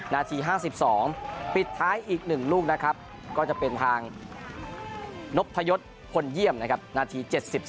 นาที๕๒ปิดท้ายอีกหนึ่งลูกนะครับก็จะเป็นทางนบทะยศคนเยี่ยมนาที๗๔